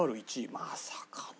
まさかな。